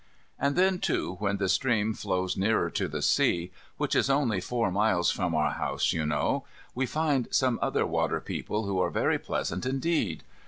And then, too, when the stream flows nearer to the sea, which is only four miles from our house, you know, we find some other water people who are very pleasant indeed.